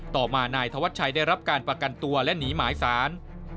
ต่อมานายธวัชชัยได้รับการประกันตัวและหนีหมายสาร